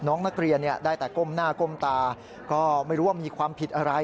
น้องนักเรียนได้แต่ก้มหน้าก้มตาก็ไม่รู้ว่ามีความผิดอะไร